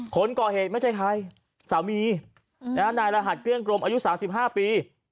คนก่อเหตุไม่ใช่ใครสามีนายรหัสเกลี้ยกรมอายุ๓๕ปี